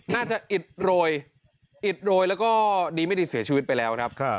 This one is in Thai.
อิดโรยอิดโรยแล้วก็ดีไม่ดีเสียชีวิตไปแล้วครับ